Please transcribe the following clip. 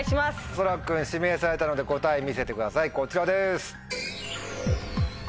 そら君指名されたので答え見せてくださいこちらです。